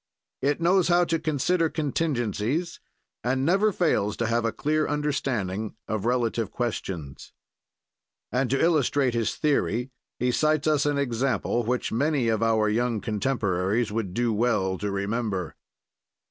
"It knows how to consider contingencies, and never fails to have a clear understanding of relative questions." And to illustrate his theory, he cites us an example which many of our young contemporaries would do well to remember.